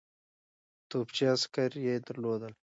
توپچي عسکر یې درلودل.